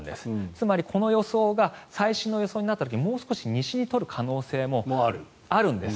つまり、この予想が最新の予想になった時もう少し西に取る可能性もあるんです。